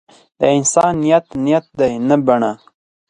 د انسان نیت نیت دی نه بڼه.